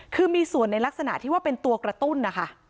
คือมีส่วนในลักษณะที่ว่าเป็นตัวกระตุ้นนะคะ